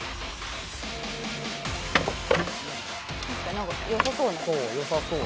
何かよさそうな。